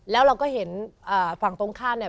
แล้วเราก็เห็นฝั่งตรงข้ามเนี่ย